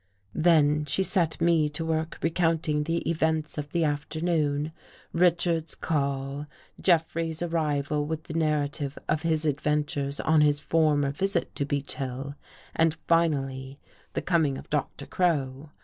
Then she set me to work recounting the events of the afternoon — Richards's call, Jeffrey's arrival and the narrative of his adventures on his former visit to Beech Hill, and finally the coming of Doctor Crow.